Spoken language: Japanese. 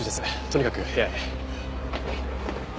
とにかく部屋へ。